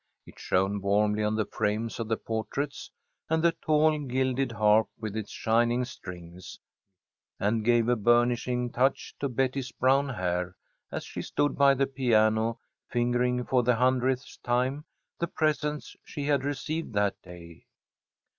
It shone warmly on the frames of the portraits and the tall gilded harp with its shining strings, and gave a burnishing touch to Betty's brown hair, as she stood by the piano, fingering for the hundredth time the presents she had received that day.